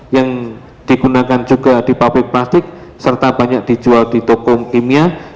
yang digunakan juga di pabrik plastik serta banyak dijual di toko kimia